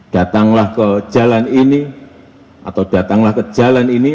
datanglah ke jalan ini atau datanglah ke jalan ini